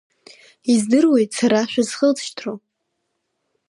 Издыруеит сара шәызхылҵшьҭроу!